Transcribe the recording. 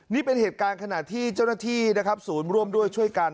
นี่เป็นเหตุการณ์ขณะที่เจ้าหน้าที่นะครับศูนย์ร่วมด้วยช่วยกัน